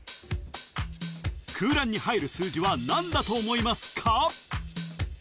空欄に入る数字は何だと思いますか？